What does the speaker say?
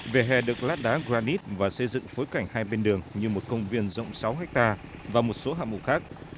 vỉa hè được lát đá granite và xây dựng phối cảnh hai bên đường như một công viên rộng sáu hectare và một số hạng mục khác